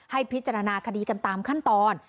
ให้พิจารณาคดีกันตามขั้นตอน